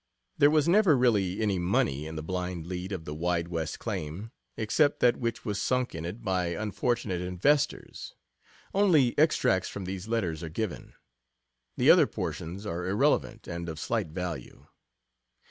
There was never really any money in the "blind lead" of the Wide West claim, except that which was sunk in it by unfortunate investors. Only extracts from these letters are given. The other portions are irrelevant and of slight value.